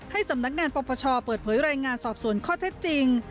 สำนักงานปปชเปิดเผยรายงานสอบสวนข้อเท็จจริง